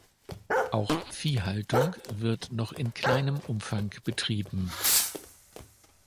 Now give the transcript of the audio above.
Auch Viehhaltung wird noch in kleinem Umfang betrieben.